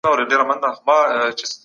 ولسي جرګه د حکومت بوديجه تاييدوي.